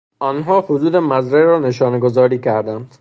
آنها حدود مزرعه را نشانهگذاری کردند.